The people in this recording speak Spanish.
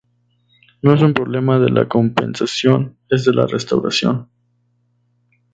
No es un problema de la compensación, es de la restauración.